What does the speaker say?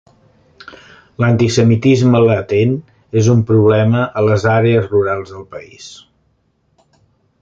L"antisemitisme latent és un problema a les àrees rurals del país.